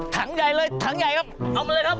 ถังใหญ่เลยถังใหญ่ครับเอามาเลยครับ